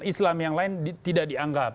islam yang lain tidak dianggap